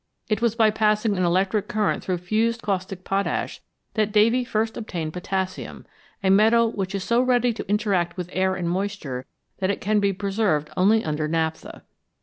It was by passing an electric current through fused caustic potash that Davy first obtained potassium, a metal which is so ready to interact with air and moisture that it can be preserved only under naphtha.